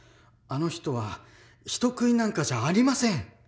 あの人は人食いなんかじゃありません！